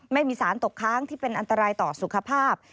ไม่มีสารตกค้างที่เป็นอันตรายต่อสุขภาพ